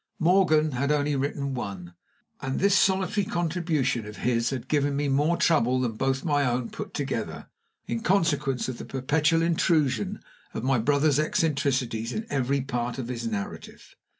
Morgan had only written one, and this solitary contribution of his had given me more trouble than both my own put together, in consequence of the perpetual intrusion of my brother's eccentricities in every part of his narrative.